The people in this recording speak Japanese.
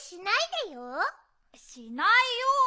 しないよ。